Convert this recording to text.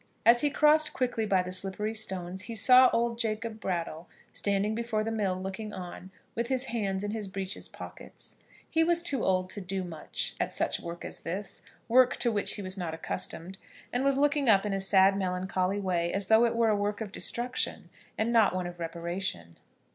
As he crossed quickly by the slippery stones he saw old Jacob Brattle standing before the mill looking on, with his hands in his breeches pockets. He was too old to do much at such work as this, work to which he was not accustomed and was looking up in a sad melancholy way, as though it were a work of destruction, and not one of reparation.